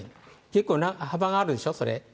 結構幅があるでしょ、それ。